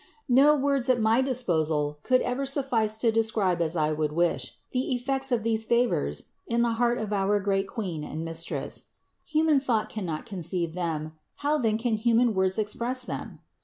106. No words at my disposal could ever suffice to describe as I would wish, the effects of these favors in the heart of our great Queen and Mistress. Human thought cannot conceive them, how then can human words express them?